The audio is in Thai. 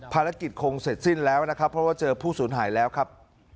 คงเสร็จสิ้นแล้วนะครับเพราะว่าเจอผู้สูญหายแล้วครับ